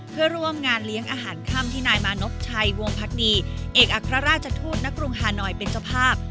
เพื่อร่วมงานเลี้ยงอาหารค่ำที่นายมานพชัยวงพักดีเอกอัครราชทูตณกรุงฮานอยเป็นเจ้าภาพ